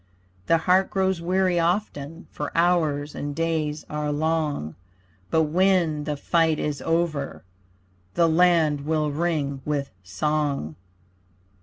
The heart grows weary often, For hours and days are long. But when the fight is over The land will ring with song.